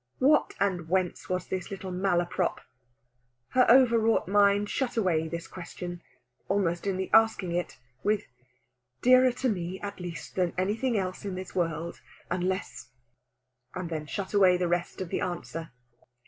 What and whence was this little malaprop? Her overwrought mind shut away this question almost in the asking it with "Dearer to me, at least, than anything else in this world, unless " and then shut away the rest of the answer.